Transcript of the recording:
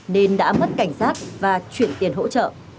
nên đã mất cảnh giác và chuyển tiền hỗ trợ